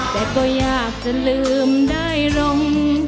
แต่ก็อยากจะลืมได้ลง